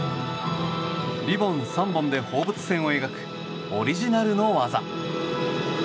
リボン３本で放物線を描くオリジナルの技。